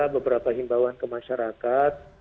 beberapa imbauan ke masyarakat